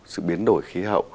sự biến đổi